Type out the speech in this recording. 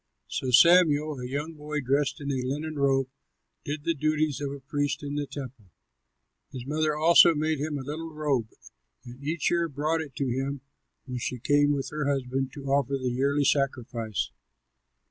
So Samuel a young boy dressed in a linen robe did the duties of a priest in the temple. His mother also made him a little robe and each year brought it to him when she came up with her husband to offer the yearly sacrifice.